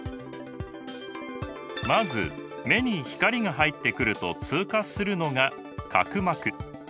まず目に光が入ってくると通過するのが角膜。